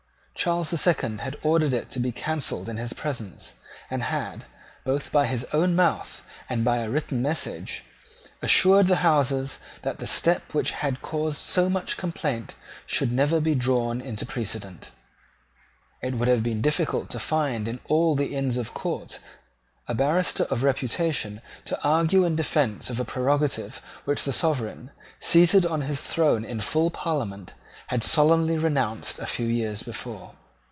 Charles the Second had ordered it to be cancelled in his presence, and had, both by his own mouth and by a written message, assured the Houses that the step which had caused so much complaint should never be drawn into precedent. It would have been difficult to find in all the Inns of Court a barrister of reputation to argue in defence of a prerogative which the Sovereign, seated on his throne in full Parliament, had solemnly renounced a few years before.